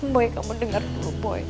boy kamu dengar dulu boy